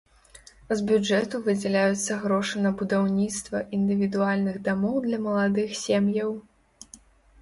З бюджэту выдзяляюцца грошы на будаўніцтва індывідуальных дамоў для маладых сем'яў.